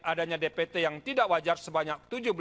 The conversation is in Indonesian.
adanya dpt yang tidak wajar sebanyak